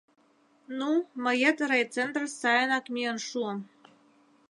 — Ну, мыет райцентрыш сайынак миен шуым...